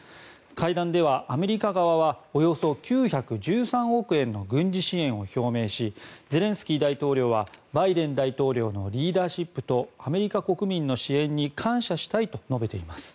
会談ではアメリカ側はおよそ９１３億円の軍事支援を表明しゼレンスキー大統領はバイデン大統領のリーダーシップとアメリカ国民の支援に感謝したいと述べています。